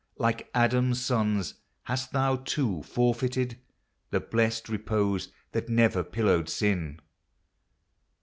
Like Adam's sons, hast thou, too, forfeited The blest repose that never pillowed Sin